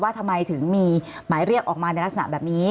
ทำไมถึงมีหมายเรียกออกมาในลักษณะแบบนี้